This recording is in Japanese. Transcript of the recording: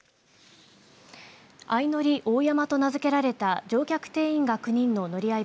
あいのり大山と名付けられた乗客定員９人の乗り合い